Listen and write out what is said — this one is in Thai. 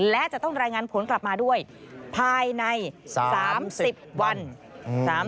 และจะต้องรายงานผลกลับมาด้วยภายใน๓๐วัน